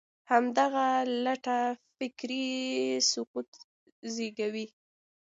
همدغه لټه فکري سقوط زېږوي.